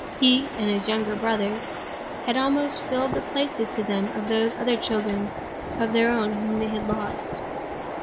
He (and his younger brothers) had almost filled the places to them of those other children of their own whom they had lost.